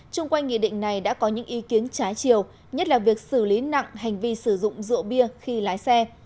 trung quanh nghị định này đã có những ý kiến trái chiều nhất là việc xử lý nặng hành vi sử dụng rượu bia khi lái xe